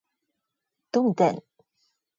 どんでん